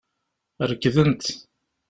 Rekdent.